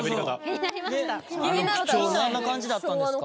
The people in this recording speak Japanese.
みんなあんな感じだったんですか？